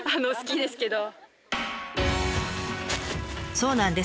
そうなんです。